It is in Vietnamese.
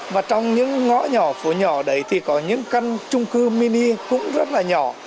và trong những ngõ nhỏ phố nhỏ đấy thì có những căn trung cư mini cũng rất là nhỏ